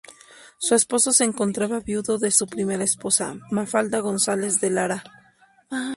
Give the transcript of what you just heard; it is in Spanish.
Su esposo se encontraba viudo de su primera esposa, Mafalda González de Lara.